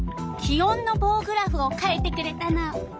気温のぼうグラフを書いてくれたの。